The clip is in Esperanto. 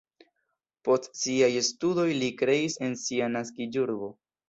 Post siaj studoj li kreis en sia naskiĝurbo.